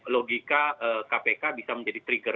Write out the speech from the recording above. logika kpk bisa menjadi trigger